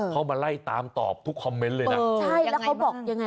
เขามาไล่ตามตอบทุกคอมเม้นต์เลยน่ะ